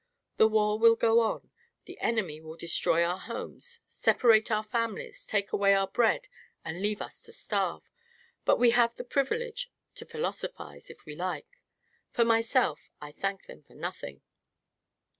The war will go on; the enemy will destroy our homes, separate our families, take away our bread and leave us to starve; but we have the privilege to philosophize, if we like. For myself, I thank them for nothing!"